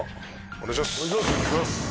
お願いします！